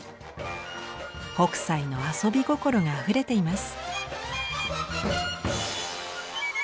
北斎の遊び心があふれています。